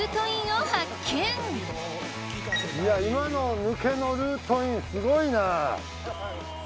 今の抜けのルートインすごいな。